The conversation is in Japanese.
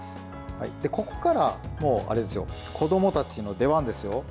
ここからもう子どもたちの出番ですよ。